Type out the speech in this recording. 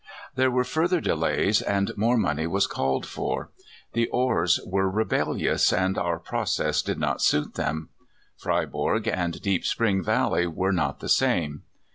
There were further de lays, and more money was called for. The ores were rebellious, and our " process " did not suit them. Fryborg and Deep Spring Valley were not the same.